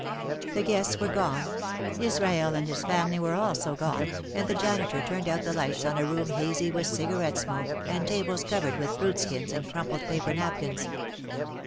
The guests were gone, Israel and his family were also gone, and the janitor turned out the lights on a room hazy with cigarette smoke and tables covered with fruit skins and crumpled paper napkins.